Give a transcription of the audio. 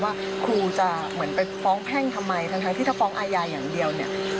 ว่าครูจะเหมือนไปฟ้องแพ่งทำไมทั้งที่ถ้าฟ้องอาญาอย่างเดียวเนี่ย